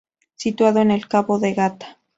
Situado en el cabo de Gata.